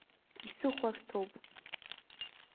Исыхәарҭоуп!